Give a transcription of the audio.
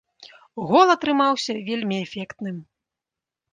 Гол атрымаўся вельмі эфектным.